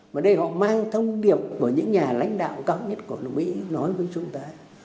và đây họ mang thông điệp của những nhà lãnh đạo cao nhất của mỹ nói với chúng ta